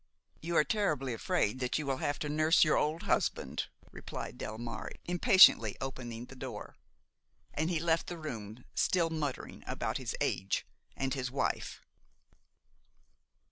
"You are terribly afraid that you will have to nurse your old husband," replied Delmare, impatiently opening the door. And he left the room, still muttering about his age and his wife.